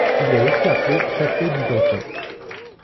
Il est aussi appelé chapelet byzantin.